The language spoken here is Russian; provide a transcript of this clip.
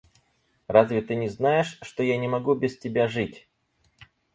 Разве ты не знаешь, что я не могу без тебя жить?